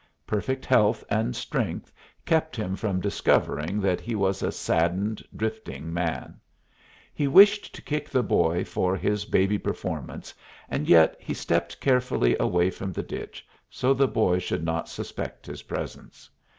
Perfect health and strength kept him from discovering that he was a saddened, drifting man. He wished to kick the boy for his baby performance, and yet he stepped carefully away from the ditch so the boy should not suspect his presence.